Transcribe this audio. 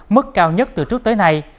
mức cao nhất từ trước tới nay